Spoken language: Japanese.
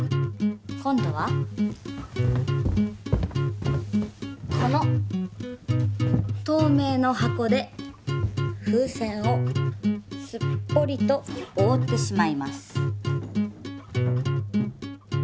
今度はこの透明の箱で風船をすっぽりとおおってしまいます。